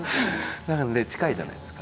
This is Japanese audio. なんかね近いじゃないですか。